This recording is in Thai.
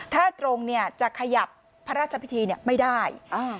ถ้าตรงจะขยับพระราชพิธีไม่ได้